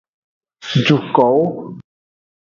Dukowo.